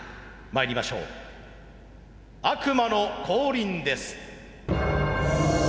まいりましょう悪魔の降臨です。